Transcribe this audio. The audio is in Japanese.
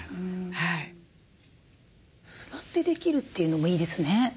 座ってできるというのもいいですね。